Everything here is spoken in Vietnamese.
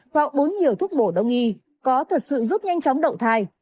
họ uống nhiều thuốc bổ đông y có thật sự giúp nhanh chóng đậu thai